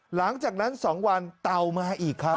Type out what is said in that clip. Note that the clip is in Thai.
หลังจากนั้น๒วันเต่ามาอีกครับ